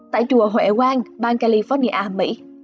tại chùa huệ quang bang california mỹ